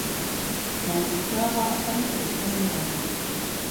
Seine Mutter war auch seine erste Lehrerin.